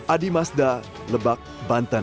adi mazda lebak banten